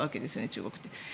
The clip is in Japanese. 中国って。